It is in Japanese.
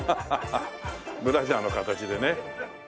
ブラジャーの形でね。